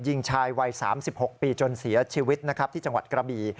ยิงชายวัย๓๖ปีจนเสียชีวิตนะครับที่จังหวัดกระบี